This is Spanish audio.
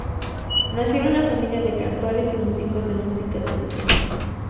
Nació en una familia de cantores y músicos de música tradicional.